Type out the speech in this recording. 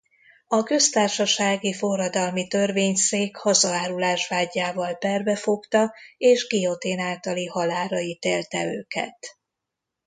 A köztársasági Forradalmi Törvényszék hazaárulás vádjával perbe fogta és guillotine általi halálra ítélte őket.